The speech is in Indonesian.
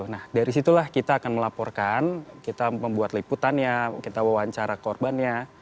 nah dari situlah kita akan melaporkan kita membuat liputannya kita wawancara korbannya